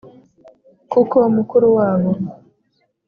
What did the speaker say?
Kuko mukuru wabo